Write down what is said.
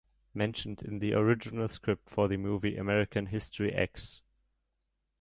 Mentioned in the original script for the movie American History X.